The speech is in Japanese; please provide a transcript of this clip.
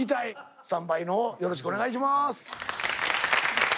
スタンバイのほうよろしくお願いします。